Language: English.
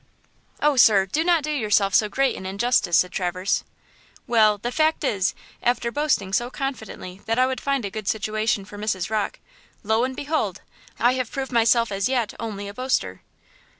"Oh, sir, do not do yourself so great an injustice," said Traverse. "Well, the fact is, after boasting so confidently that I would find a good situation for Mrs. Rocke, lo and behold! I have proved myself as yet only a boaster."